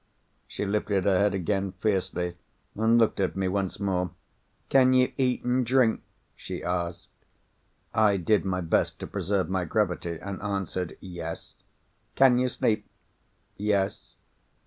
She lifted her head again fiercely, and looked at me once more. "Can you eat and drink?" she asked. I did my best to preserve my gravity, and answered, "Yes." "Can you sleep?" "Yes."